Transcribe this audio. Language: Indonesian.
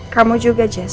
kamu juga jess